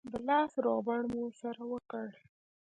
د لاس روغبړ مو سره وکړ.